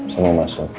saya mau masuk